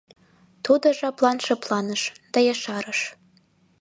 Тудо жаплан шыпланыш да ешарыш: